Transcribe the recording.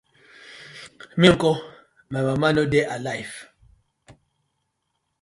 Mi nko, my mama no dey alife?